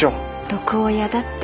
毒親だって。